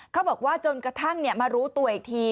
เขาบอกว่าจนกระทั่งมารู้ตัวอีกที